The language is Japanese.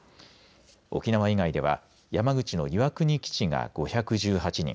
沖縄以外では山口の岩国基地が５１８人